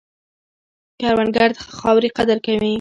کروندګر د خاورې قدر کوي